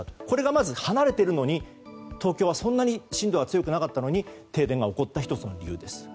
これがまず離れているのに東京はそんなに震度は強くなかったのに停電が起こった１つの理由です。